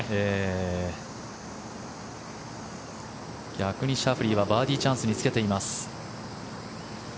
逆にシャフリーはバーディーチャンスにつけています。